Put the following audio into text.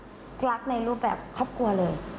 ก่อนหน้านี้รักรักในรูปแบบครอบครัวเลย